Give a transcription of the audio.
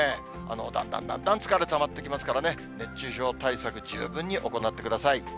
だんだんだんだん疲れたまってきますからね、熱中症対策、十分に行ってください。